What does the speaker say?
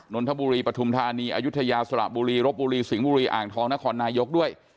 นนทบุรีปฐุมธานีอายุทยาสระบุรีรบบุรีสิงห์บุรีอ่างทองนครนายกด้วย